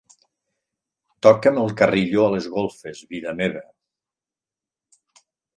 Toca'm el carilló a les golfes, vida meva.